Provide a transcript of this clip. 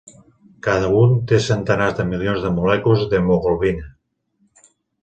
Cada un té centenars de milions de molècules d'hemoglobina.